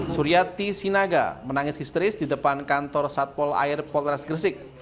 suryati sinaga menangis histeris di depan kantor satpol air polres gresik